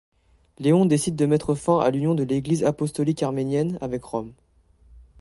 Léon décide de mettre fin à l'union de l’Église apostolique arménienne avec Rome.